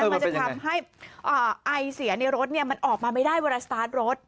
มันจะทำให้ไอเสียในรถมันออกมาไม่ได้เวลาสตาร์ทรถ